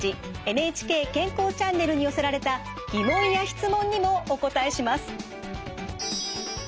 「ＮＨＫ健康チャンネル」に寄せられた疑問や質問にもお答えします。